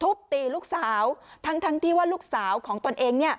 ตีลูกสาวทั้งที่ว่าลูกสาวของตนเอง